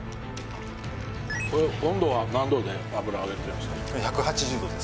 温度は何度で油揚げてるんですか？